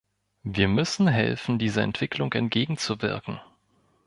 Wir müssen helfen, dieser Entwicklung entgegenzuwirken.